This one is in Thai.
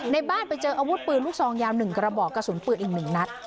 ในบ้านไปเจออาวุธปืนลูกซองยาว๑กระบอกกระสุนปืนอีก๑นัด